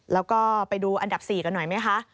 แล้วก็ไปดูอันดับ๔กันหน่อยไหมคะ